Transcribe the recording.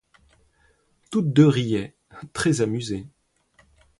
Toutes deux riaient, très amusées.